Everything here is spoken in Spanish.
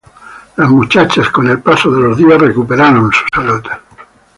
Las muchachas, con el paso de los días, recuperaron su salud.